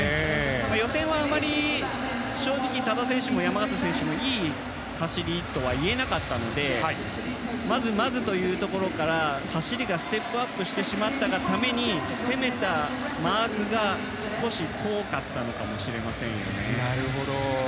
予選はあまり正直、多田選手も山縣選手もいい走りとは言えなかったのでまずまずというところから走りがステップアップをしてしまったために攻めたマークが少し遠かったのかもしれませんよね。